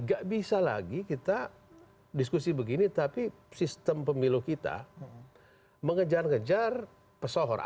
gak bisa lagi kita diskusi begini tapi sistem pemilu kita mengejar ngejar pesohor